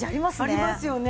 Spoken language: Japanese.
ありますよね。